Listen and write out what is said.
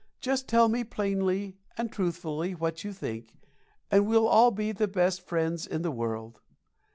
Just tell me plainly and truthfully what you think, and we'll all be the best friends in the world.